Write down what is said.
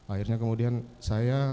akhirnya kemudian saya